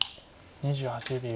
２８秒。